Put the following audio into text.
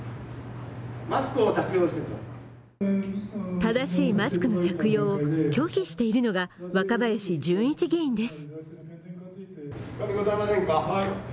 正しいマスクの着用を拒否しているのが、若林純一議員です。